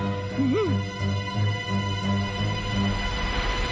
うん！